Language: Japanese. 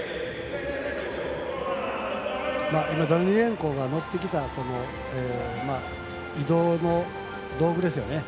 ダニレンコが乗ってきた移動の道具ですよね。